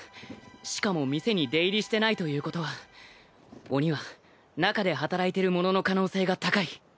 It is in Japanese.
しかも店に出入りしてないということは鬼は中で働いてる者の可能性が高い。